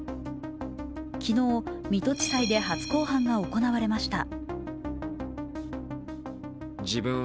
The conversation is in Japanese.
昨日、水戸地裁で初公判が行われました。